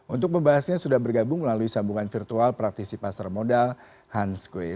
untuk membahasnya sudah bergabung melalui sambungan virtual praktisi pasar modal hans kueh